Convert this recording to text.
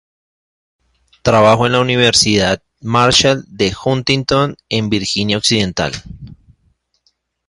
Trabajó en la Universidad Marshall de Huntington en Virginia Occidental.